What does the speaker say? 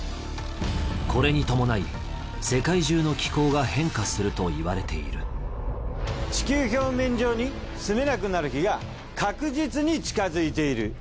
これに伴い世界中の気候が変化するといわれている地球表面上に住めなくなる日が確実に近づいている。